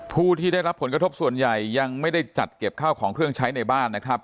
ผู้ที่ได้รับผลกระทบส่วนใหญ่ยังไม่ได้จัดเก็บข้าวของเครื่องใช้ในบ้านนะครับ